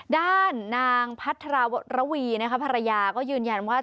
ด้านนางพัทราระวีภรรยาก็ยืนยันว่า